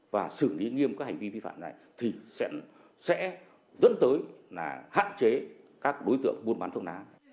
và xử lý nghiêm các hành vi vi phạm này thì sẽ dẫn tới hạn chế các đối tượng muôn án thuốc lá